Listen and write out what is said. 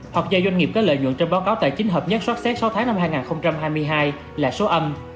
hoặc do doanh nghiệp có lợi nhuận trong báo cáo tài chính hợp nhất xót xét sáu tháng năm hai nghìn hai mươi hai là số âm